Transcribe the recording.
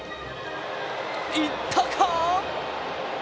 いったか？